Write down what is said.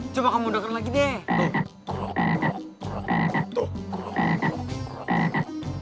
coba kamu mundurkan lagi deh